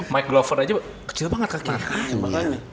mike glover aja kecil banget katanya